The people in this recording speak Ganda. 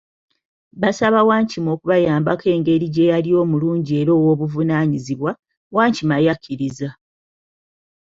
Basaba Wankima okubayambako engeri gye yali omulungi era ow'obuvunanyizibwa, Wankima yakiriza.